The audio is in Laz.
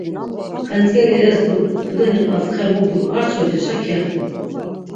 Xentzk̆eli ezdu, tudeni qas xe mudu, arşvacişa kextu.